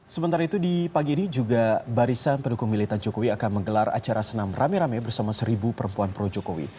sementara itu di pagi ini juga barisan pendukung militan jokowi akan menggelar acara senam rame rame bersama seribu perempuan pro jokowi